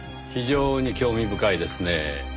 非常に興味深いですねぇ。